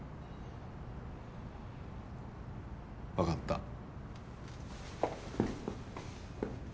分かった。